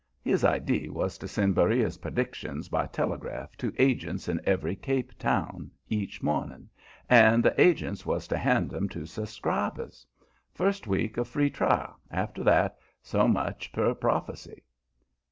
His idee was to send Beriah's predictions by telegraph to agents in every Cape town each morning, and the agents was to hand 'em to susscribers. First week a free trial; after that, so much per prophecy.